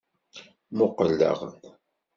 Muqqel daɣen.